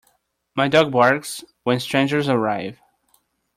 My dog barks when strangers arrive.